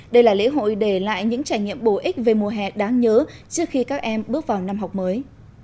đây là lễ hội để lại những trải nghiệm bổ ích về mùa hè đáng nhớ trước khi các em bước vào năm học mới